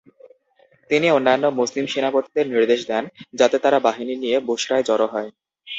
তিনি অন্যান্য মুসলিম সেনাপতিদের নির্দেশ দেন যাতে তারা বাহিনী নিয়ে বুসরায় জড়ো হয়।